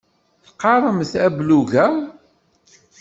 Teqqaremt ablug-a?